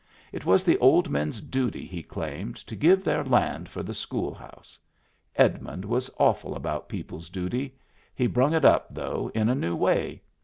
It was the old men's duty, he claimed, to give their land for the school house. Edmund was awful about people's duty. He brung it up, though, in a new way.